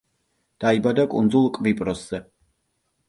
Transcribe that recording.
დაიბადა კუნძულ კვიპროსზე.